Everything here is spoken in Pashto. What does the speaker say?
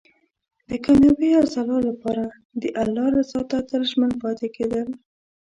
د کامیابۍ او ځلا لپاره د الله رضا ته تل ژمن پاتې کېدل.